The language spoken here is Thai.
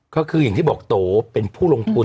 ก็คืออย่างที่บอกโตเป็นผู้ลงทุน